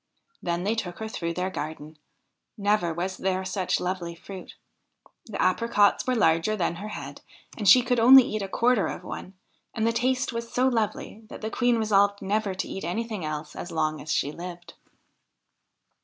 Then they took her through their garden. Never was there such lovely fruit ; the apricots were larger than her head, and she could only eat a quarter of one, and the taste was so lovely that the Queen resolved never to eat anything else as long as she lived.